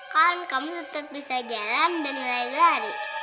kan kamu tetap bisa jalan dan lari lari